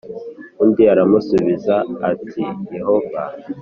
Undi aramusubiza ati yehova